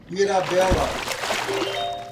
Mirabela